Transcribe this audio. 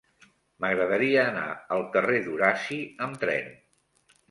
M'agradaria anar al carrer d'Horaci amb tren.